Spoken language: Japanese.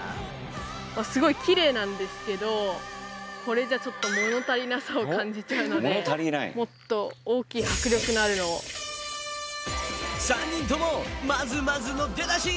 すごいキレイなんですけどこれじゃちょっと物足りなさを感じちゃうのでもっと大きい３人ともまずまずの出だし！